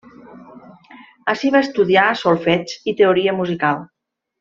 Ací va estudiar solfeig i teoria musical.